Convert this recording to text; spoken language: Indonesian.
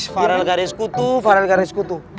farah gareskutu farah gareskutu